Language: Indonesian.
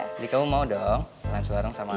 jadi kamu mau dong lunch bareng sama aku